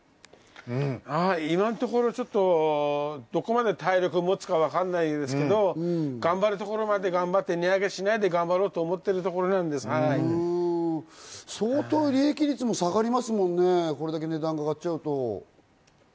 今のところちょっと、どこまで体力が持つかわからないんですけど、頑張れるところまで頑張って、値上げしないで頑張ろうと思って相当、利益率も下がりますもんね、これだけ値段が上がっちゃうと。